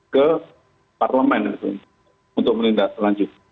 ke parlemen itu untuk melindak selanjutnya